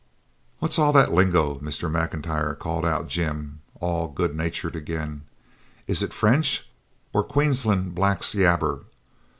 'What's all that lingo, Mr. M'Intyre?' called out Jim, all good natured again. 'Is it French or Queensland blacks' yabber?